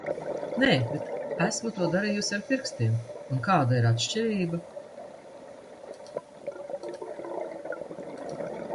Nē, bet esmu to darījusi ar pirkstiem, un kāda ir atšķirība?